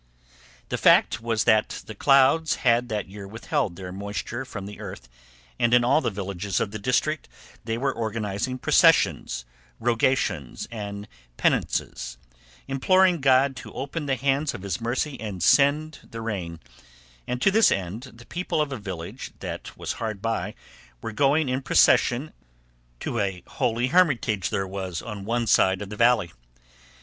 The fact was that the clouds had that year withheld their moisture from the earth, and in all the villages of the district they were organising processions, rogations, and penances, imploring God to open the hands of his mercy and send the rain; and to this end the people of a village that was hard by were going in procession to a holy hermitage there was on one side of that valley.